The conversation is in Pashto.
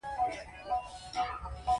هغو موظفینو په ډېر احترام ورسره مرسته وکړه.